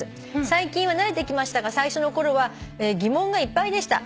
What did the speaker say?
「最近は慣れてきましたが最初のころは疑問がいっぱいでした」